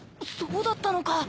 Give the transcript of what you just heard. そうだったのか。